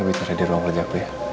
nanti kita tadi di ruang kerja bu ya